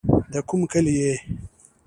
د کوم کلي يې.